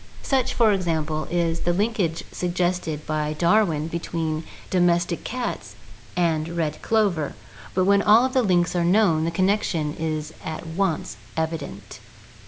Such, for example, is the linkage suggested by Darwin between domestic cats and red clover, but when all of the links are known, the connection is at once evident.